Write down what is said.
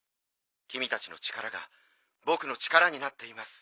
君たちの力が僕の力になっています。